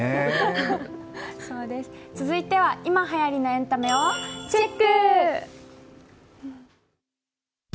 続いては、今はやりのエンタメをチェック！